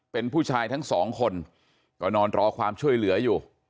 เป็นผู้ชายทั้งสองคนก็นอนรอความช่วยเหลืออยู่